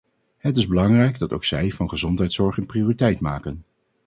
Het is belangrijk dat ook zij van gezondheidszorg een prioriteit maken.